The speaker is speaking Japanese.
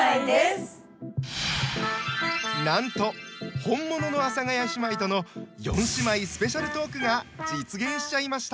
なんと本物の阿佐ヶ谷姉妹との四姉妹スペシャルトークが実現しちゃいました。